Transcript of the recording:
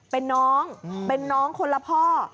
เป็นน้องเป็นน้องคนละพ่อ